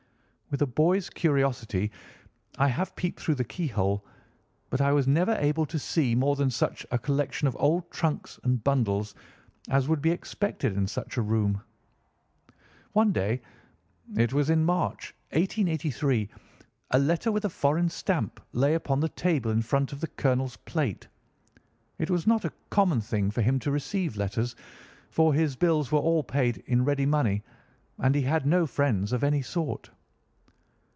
With a boy's curiosity I have peeped through the keyhole, but I was never able to see more than such a collection of old trunks and bundles as would be expected in such a room. "One day—it was in March, 1883—a letter with a foreign stamp lay upon the table in front of the colonel's plate. It was not a common thing for him to receive letters, for his bills were all paid in ready money, and he had no friends of any sort.